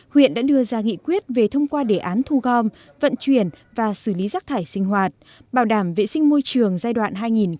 huyện đã đưa ra nghị quyết về thông qua đề án thu gom vận chuyển và xử lý rác thải sinh hoạt bảo đảm vệ sinh môi trường giai đoạn hai nghìn một mươi sáu hai nghìn hai mươi